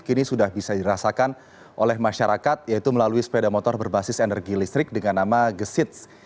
kini sudah bisa dirasakan oleh masyarakat yaitu melalui sepeda motor berbasis energi listrik dengan nama gesits